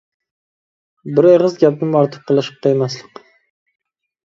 بىر ئېغىز گەپنىمۇ ئارتۇق قىلىشقا قىيماسلىق.